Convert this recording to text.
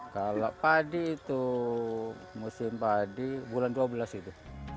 kalau padi itu musim padi bulan dua belas itu